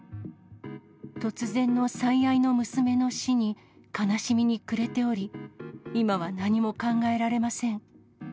突然の最愛の娘の死に、悲しみに暮れており、今は何も考えられません。